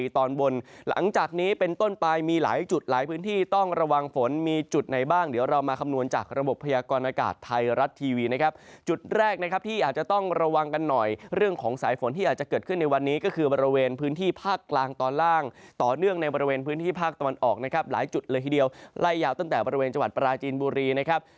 ตอนนี้เป็นต้นปลายมีหลายจุดหลายพื้นที่ต้องระวังฝนมีจุดไหนบ้างเดี๋ยวเรามาคำนวณจากระบบพยากรณากาศไทยรัสทีวีนะครับจุดแรกนะครับที่อาจจะต้องระวังกันหน่อยเรื่องของสายฝนที่อาจจะเกิดขึ้นในวันนี้ก็คือบริเวณพื้นที่ภาคกลางตอนล่างต่อเนื่องในบริเวณพื้นที่ภาคตอนออกนะครับหลายจุดเลยที